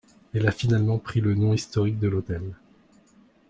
Elle a finalement pris le nom historique de l'hôtel.